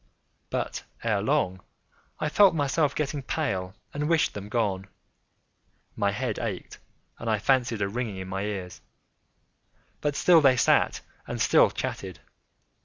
But, ere long, I felt myself getting pale and wished them gone. My head ached, and I fancied a ringing in my ears: but still they sat and still chatted.